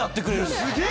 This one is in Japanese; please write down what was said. すげえ。